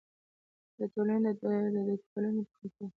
د ټولنې د دودپالنې په خاطر.